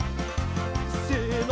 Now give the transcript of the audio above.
せの！